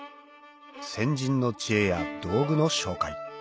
先人の知恵や道具の紹介